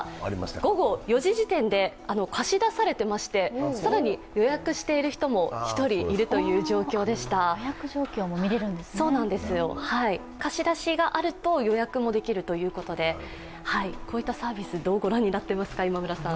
午後４時時点で貸し出されてまして、更に予約している人も１人いるという状況でした貸し出しがあると予約もできるということでこういったサービス、どうご覧になっていますか？